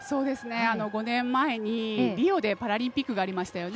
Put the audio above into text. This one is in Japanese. ５年前にリオでパラリンピックがありましたよね。